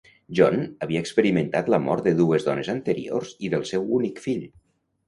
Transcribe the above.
John havia experimentat la mort de dues dones anteriors i del seu únic fill.